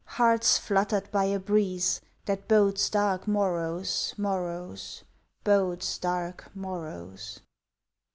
Hearts fluttered by a breeze That bodes dark morrows, morrows, Bodes dark morrows!